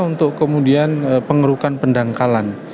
untuk kemudian pengerukan pendangkalan